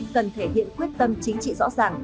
cần thể hiện quyết tâm chính trị rõ ràng